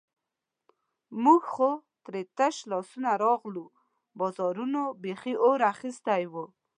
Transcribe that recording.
موږ خو ترې تش لاسونه راغلو، بازارونو بیخي اور اخیستی وو.